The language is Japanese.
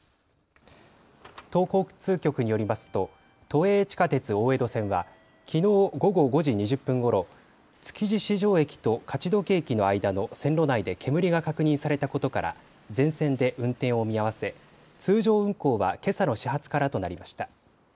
都交通局によりますと都営地下鉄大江戸線はきのう午後５時２０分ごろ築地市場駅と勝どき駅の間の線路内で煙が確認されたことから全線で運転を見合わせ通常運行はけさの始発からとなりました。